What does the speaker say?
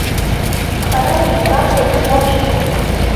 Хара имгакәа уи диацәажәон.